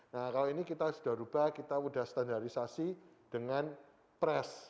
nah kalau ini kita sudah rubah kita sudah standarisasi dengan pres